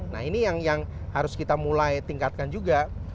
nah ini yang harus kita mulai tingkatkan juga